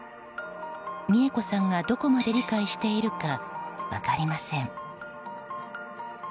三恵子さんが、どこまで理解しているか分かりません。